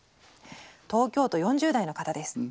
東京都４０代の方です。